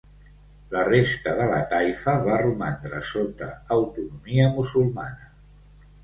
La resta de la taifa va romandre sota autonomia musulmana.